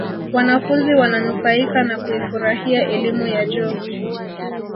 wanafunzi wananufaika na kuifurahia elimu ya juu